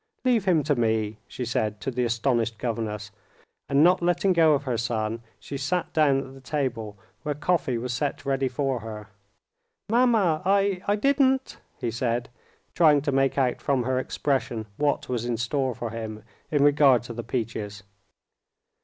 "Leave him to me," she said to the astonished governess, and not letting go of her son, she sat down at the table, where coffee was set ready for her. "Mamma! I ... I ... didn't...." he said, trying to make out from her expression what was in store for him in regard to the peaches.